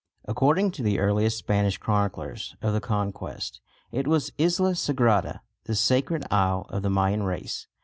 According to the earliest Spanish chroniclers of the Conquest it was Isla Sagrada, the Sacred Isle of the Mayan race.